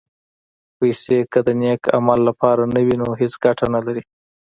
پېسې که د نېک عمل لپاره نه وي، نو هېڅ ګټه نه لري.